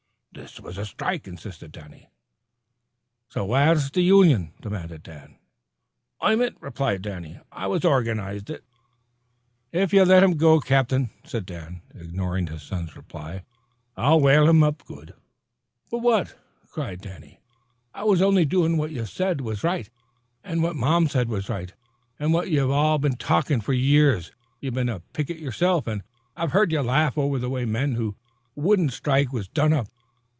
"This was a strike," insisted Danny. "Where's the union?" demanded Dan. "I'm it," replied Danny. "I was organizin' it." "If ye'll let him go, Captain," said Dan, ignoring his son's reply, "I'll larrup him good." "For what?" wailed Danny. "I was only doin' what you said was right, an' what mom said was right, an' what you've all been talkin' for years. You've been a picket yourself, an' I've heard you laughin' over the way men who wouldn't strike was done up.